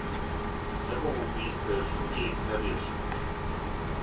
Његово убиство је још увијек неријешено.